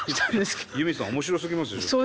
ユミさん面白すぎますよちょっと。